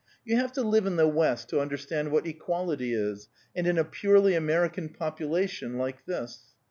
You have to live in the West to understand what equality is, and in a purely American population, like this.